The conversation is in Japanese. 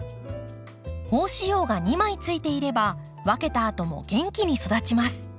胞子葉が２枚ついていれば分けたあとも元気に育ちます。